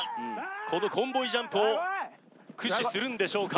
このコンボイジャンプを駆使するんでしょうか